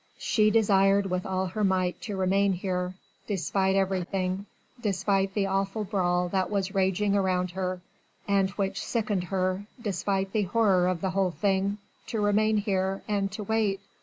She desired with all her might to remain here despite everything, despite the awful brawl that was raging round her and which sickened her, despite the horror of the whole thing to remain here and to wait.